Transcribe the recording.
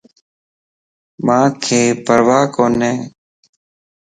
مانک پرواه ڪوني